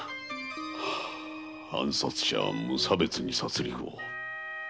暗殺者は無差別に殺戮を。